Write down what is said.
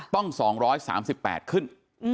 ต้อง๒๓๘ขึ้น